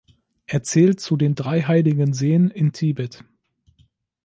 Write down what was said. Er zählt zu den drei heiligen Seen in Tibet.